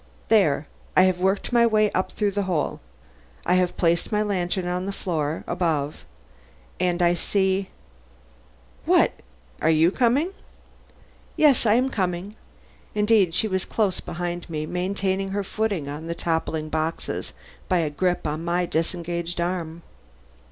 There! I have worked my way up through the hole. I have placed my lantern on the floor above and I see What! are you coming?" "Yes, I am coming." Indeed, she was close beside me, maintaining her footing on the toppling boxes by a grip on my disengaged arm.